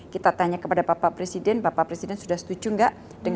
kita tanya kepada bapak presiden bapak presiden sudah setuju nggak